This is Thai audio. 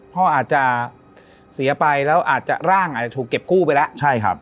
พ่ออาจจะเสียไปแล้วร่างอาจจะถูกเก็บกู้ไปแล้ว